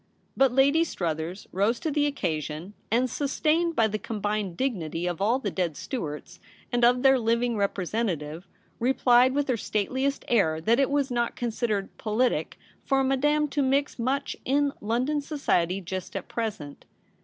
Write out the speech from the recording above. But Lady Struthers rose to MARTS RECEPTION. 267 the occasion, and, sustained by the combined dignity of all the dead Stuarts, and of their living representative, replied with her stateliest air that it was not considered politic for Madame to mix much in London society just at present.